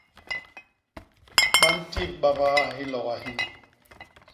Ba ntip babaa hiloga hini.